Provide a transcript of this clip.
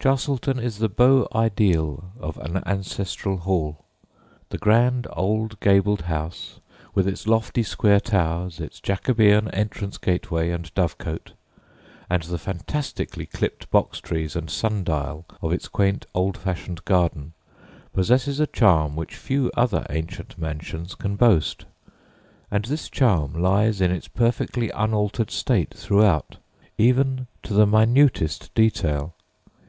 Chastleton is the beau ideal of an ancestral hall. The grand old gabled house, with its lofty square towers, its Jacobean entrance gateway and dovecote, and the fantastically clipped box trees and sun dial of its quaint old fashioned garden, possesses a charm which few other ancient mansions can boast, and this charm lies in its perfectly unaltered state throughout, even to the minutest detail.